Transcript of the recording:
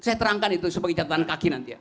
saya terangkan itu sebagai catatan kaki nanti ya